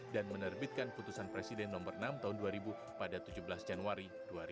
dan menerbitkan keputusan presiden no enam tahun dua ribu pada tujuh belas januari dua ribu